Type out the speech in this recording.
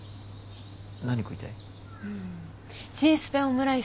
何食いたい？